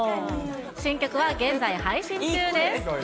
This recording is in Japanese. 新曲は現在配信中です。